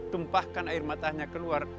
tumpahkan air matanya keluar